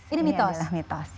ini adalah mitos